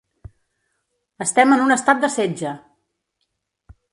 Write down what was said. Estem en un estat de setge!